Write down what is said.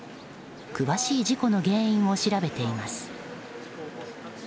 詳しい事故の原因を調べています。